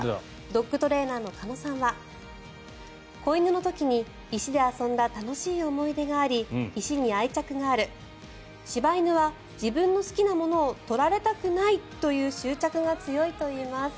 ドッグトレーナーの鹿野さんは子犬の時に石で遊んだ楽しい思い出があり石に愛着がある柴犬は自分の好きなものを取られたくないという執着が強いといいます。